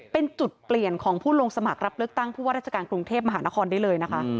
เป็นจุดเปลี่ยนของผู้ลงสมัครรับเลือกตั้งผู้ว่าราชการกรุงเทพมหานครได้เลยนะคะ